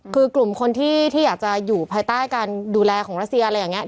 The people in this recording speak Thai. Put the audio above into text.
คือกลุ่มคนที่อยากจะอยู่ภายใต้การดูแลของรัสเซียอะไรอย่างนี้